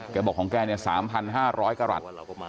บอกของแกเนี่ย๓๕๐๐กรัฐ